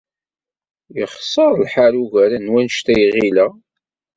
Yexṣer lḥal ugar n wanect ay ɣileɣ.